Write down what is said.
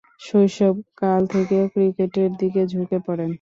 শৈশবকাল থেকে ক্রিকেটের দিকে ঝুঁকে পড়েন।